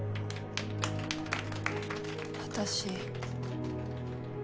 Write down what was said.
・私。